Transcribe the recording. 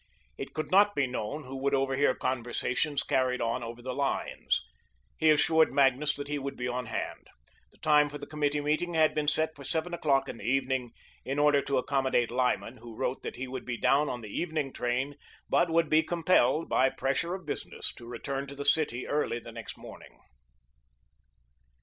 It could not be known who would overhear conversations carried on over the lines. He assured Magnus that he would be on hand. The time for the Committee meeting had been set for seven o'clock in the evening, in order to accommodate Lyman, who wrote that he would be down on the evening train, but would be compelled, by pressure of business, to return to the city early the next morning.